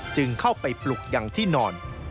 จึงเข้าไปปลุกอย่างที่นอน